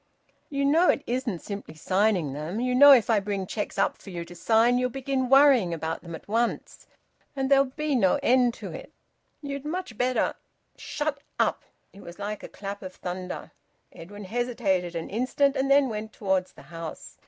"You know it isn't simply signing them. You know if I bring cheques up for you to sign you'll begin worrying about them at once, and and there'll be no end to it. You'd much better " "Shut up!" It was like a clap of thunder. Edwin hesitated an instant and then went towards the house.